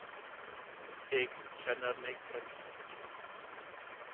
Eg kjenner meg rik.